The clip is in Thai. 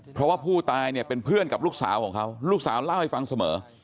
เพราะว่าผู้ตายเนี่ยเป็นเพื่อนกับลูกสาวของเขาลูกสาวเล่าให้ฟังเสมอ